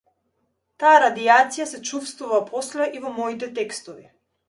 Таа радијација се чувствува после и во моите текстови.